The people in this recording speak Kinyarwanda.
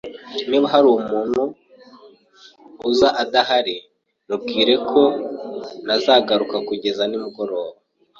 Niba hari umuntu uza adahari, mubwire ko ntazagaruka kugeza nimugoroba.